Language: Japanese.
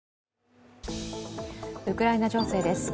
ウクライナ情勢です。